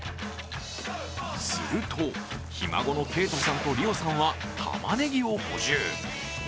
すると、ひ孫の恵都さんと璃生さんはたまねぎを補充。